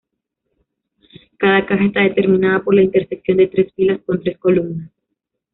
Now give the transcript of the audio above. Cada caja está determinada por la intersección de tres filas con tres columnas.